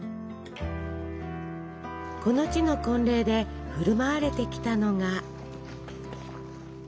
この地の婚礼で振る舞われてきたのが。